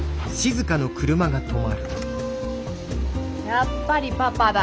やっぱりパパだ。